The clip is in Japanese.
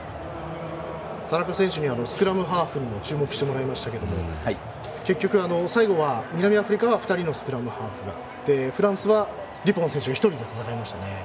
田中選手にはスクラムハーフに注目してもらいましたけど結局、最後は南アフリカは２人のスクラムハーフがフランスはデュポン選手が１人で戦いましたね。